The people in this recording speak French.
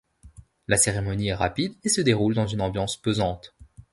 La cérémonie est rapide, et se déroule dans une ambiance pesante.